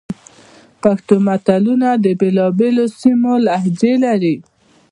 پښتو متلونه د بېلابېلو سیمو لهجې لري